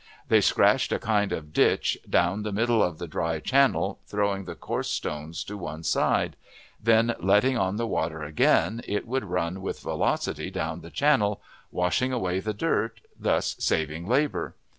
They scratched a kind of ditch down the middle of the dry channel, throwing the coarser stones to one side; then, letting on the water again, it would run with velocity down the channel, washing away the dirt, thus saving labor.